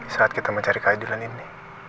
saat kita mencari keadilan ini